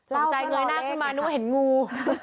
ตกใจเงยหน้าขึ้นมานึกว่าเห็นงู